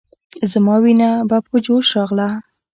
زما وينه به په جوش راغله.